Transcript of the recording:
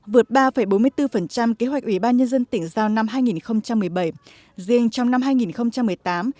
vượt ba bốn mươi bốn kế hoạch ủy ban nhân dân tỉnh giao năm hai nghìn một mươi bảy riêng trong năm hai nghìn một mươi tám